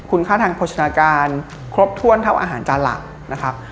คุณค่าทางโภชนาการครบถ้วนเท่าอาหารจานหลักนะครับ